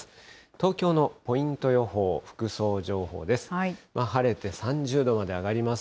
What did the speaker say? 東京のポイント予報、服装情報です。